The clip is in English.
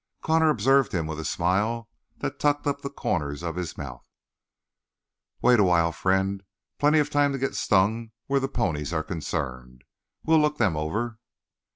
Connor observed him with a smile that tucked up the corners of his mouth. "Wait a while, friend. Plenty of time to get stung where the ponies are concerned. We'll look them over."